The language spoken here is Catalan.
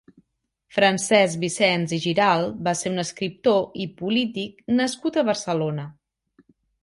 Francesc Vicens i Giralt va ser un escriptor i polític nascut a Barcelona.